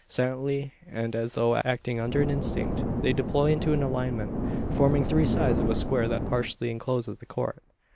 Silently, and as though acting under an instinct, they deploy into an alignment forming three sides of a square, that partially encloses the Court!